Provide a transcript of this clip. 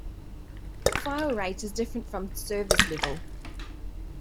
File rate is different from service level.